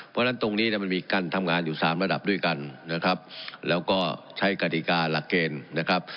เพราะฉะนั้นตรงนี้เนี่ยมันมีการทำงานอยู่สามระดับด้วยกันนะครับแล้วก็ใช้กฎิกาหลักเกณฑ์นะครับ